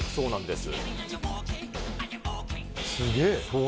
すげえ。